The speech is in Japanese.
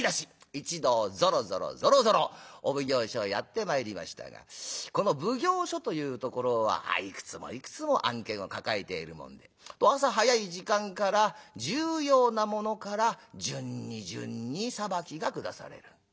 一同ぞろぞろぞろぞろお奉行所へやって参りましたがこの奉行所というところはいくつもいくつも案件を抱えているもので朝早い時間から重要なものから順に順に裁きが下される。